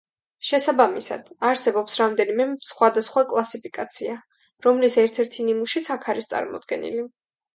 შესაბამისად, არსებობს მრავალი სხვადასხვა კლასიფიკაცია, რომლის ერთ-ერთი ნიმუშიც აქ არის წარმოდგენილი.